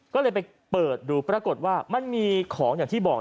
ก็เลยไปเปิดดูปรากฏว่ามันมีของอย่างที่บอก